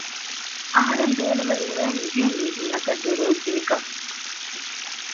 އަހަރެން ބޭނުމެއް ނުވޭ މި ގޭ މީހުންނަކަށް ދެރައެއް ދޭކަށް